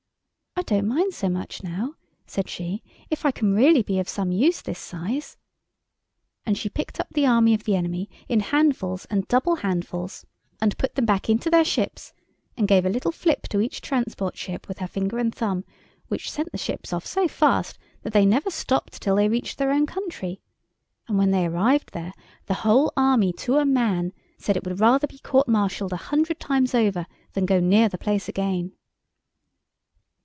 "I don't mind so much now," said she, "if I can really be of some use this size." And she picked up the army of the enemy in handfuls and double handfuls, and put them back into their ships, and gave a little flip to each transport ship with her finger and thumb, which sent the ships off so fast that they never stopped till they reached their own country, and when they arrived there the whole army to a man said it would rather be courtmartialled a hundred times over than go near the place again. [Illustration: THE PRINCESS GREW SO BIG THAT SHE HAD TO GO AND SIT ON THE COMMON.